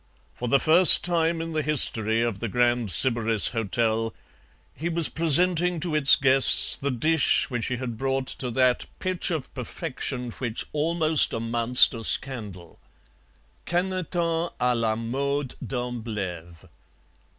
For the first time in the history of the Grand Sybaris Hotel, he was presenting to its guests the dish which he had brought to that pitch of perfection which almost amounts to scandal. Canetons à la mode d'Amblève.